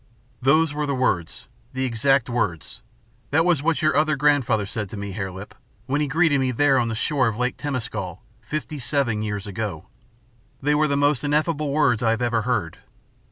_' "Those were the words, the exact words. That was what your other grandfather said to me, Hare Lip, when he greeted me there on the shore of Lake Temescal fifty seven years ago. And they were the most ineffable words I have ever heard.